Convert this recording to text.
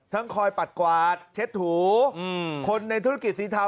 ทั้งคอยปัดกวาดเช็ดถูอืมคนในธุรกิจสีเทา